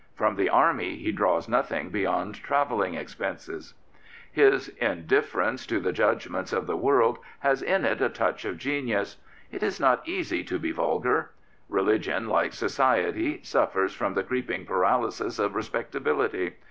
From the Army he draws nothing beyond travelling expenses. X91 Prophets, Priests, and Kings His indifference to the judgments of the world has in it a touch of genius. It is not easy to be vulgar. Religion, like society, suffers from the creeping paralysis of respectability.